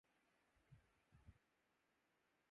کل سے ان شاءاللہ تیار رہنا